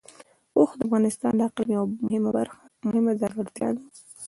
اوښ د افغانستان د اقلیم یوه مهمه ځانګړتیا ده.